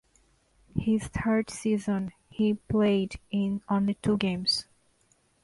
His third season he played in only two games.